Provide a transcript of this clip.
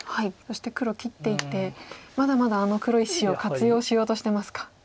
そして黒切っていってまだまだあの黒１子を活用しようとしてますか。